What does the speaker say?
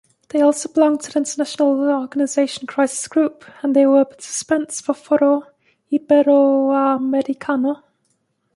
They also belong to the international organization, Crisis Group ,and they were participants for Foro Iberoamericano.